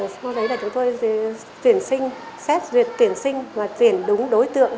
sau đấy là chúng tôi tuyển sinh xét duyệt tuyển sinh và tuyển đúng đối tượng